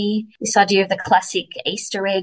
ide ide ini adalah pemburu easter egg